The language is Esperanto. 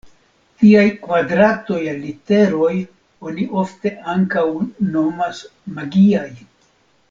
Tiaj kvadratoj el literoj oni ofte ankaŭ nomas magiaj.